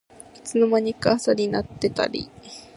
いつの間にか朝になってたり